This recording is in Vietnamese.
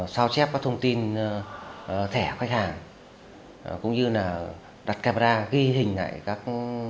sao chép các thông tin thẻ khách hàng cũng như là đặt camera ghi hình lại các